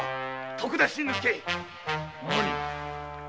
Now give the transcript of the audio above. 徳田新之助。